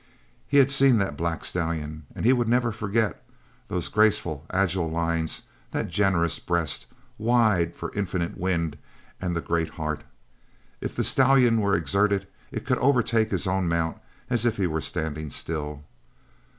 He had seen that black stallion and he would never forget those graceful, agile lines, that generous breast, wide for infinite wind and the great heart. If the stallion were exerted, it could overtake his own mount as if he were standing still.